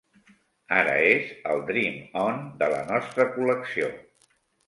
Ara és el "Dream On" de la nostra col·lecció.